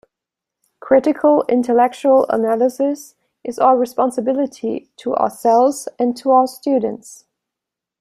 Critical intellectual analysis is our responsibility-to ourselves and to our students.